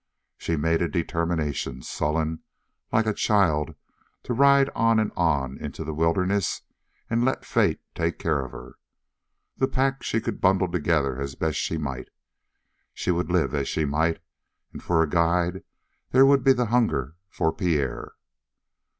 She made a determination, sullen, like a child, to ride on and on into the wilderness, and let fate take care of her. The pack she could bundle together as best she might; she would live as she might; and for a guide there would be the hunger for Pierre.